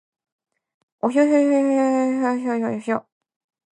おひょひょひょひょひょひょ